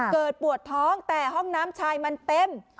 ปวดท้องแต่ห้องน้ำชายมันเต็ม